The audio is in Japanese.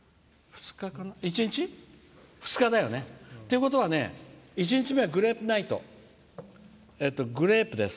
１日？２日だよね！ということは、１日目はグレープナイトです。